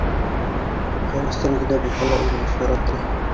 Хөрәсән генә булһа ла ир ишараты.